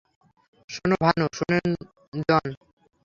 শোনো ভানু - শুনেন, জন।